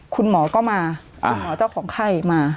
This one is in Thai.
คุณหมอก็มาคุณหมอเจ้าของไข้มา